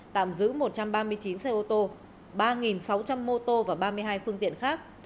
tạm giữ một trăm ba mươi chín xe ô tô ba sáu trăm linh mô tô và ba mươi hai phương tiện khác